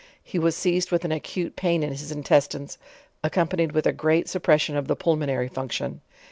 He was seized with an acute pain in his intestines, accompan ied with a great suppression of the pulmonary function.